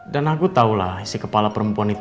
dan aku taulah si kepala perempuan itu